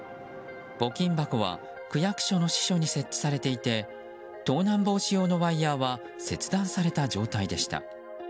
募金箱は区役所の支所に設置されていて盗難防止用のワイヤは切断された状態でした。